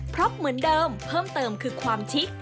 เพราะเหมือนเดิมเพิ่มเติมคือความชิค